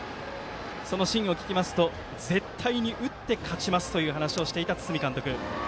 その真意を聞きますと絶対に打って勝ちますと話していた堤監督。